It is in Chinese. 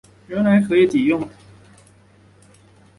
原来可以抵用